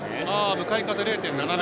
向かい風２．７０。